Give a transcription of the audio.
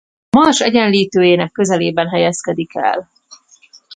A Mars egyenlítőjének közelében helyezkedik el.